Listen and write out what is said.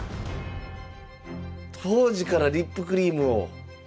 当時からリップクリームを。